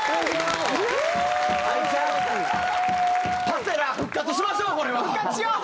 パセラ復活しましょうこれは。復活しよう！